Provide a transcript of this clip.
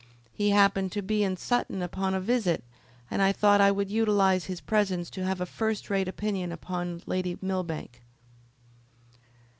He happened to be in Sutton upon a visit, and I thought I would utilise his presence to have a first rate opinion upon Lady Millbank."